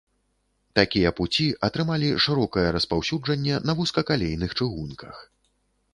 Такія пуці атрымалі шырокае распаўсюджанне на вузкакалейных чыгунках.